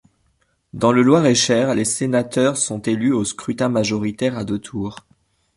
Dans le Loir-et-Cher, les sénateurs sont élus au scrutin majoritaire à deux tours.